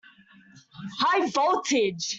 High voltage!